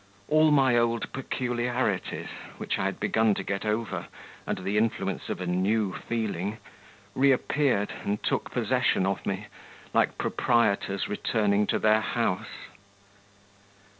All my old peculiarities, which I had begun to get over, under the influence of a new feeling, reappeared and took possession of me, like proprietors returning to their house.